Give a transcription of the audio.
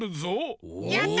やった！